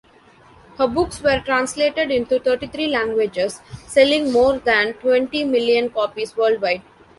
Her books were translated into thirty-three languages, selling more than twenty million copies worldwide.